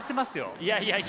いやいやいや。